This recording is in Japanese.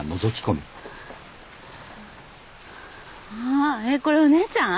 あえっこれお姉ちゃん？